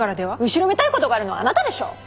後ろめたいことがあるのはあなたでしょ。